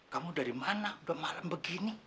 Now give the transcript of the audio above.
kamu dari mana udah malam begini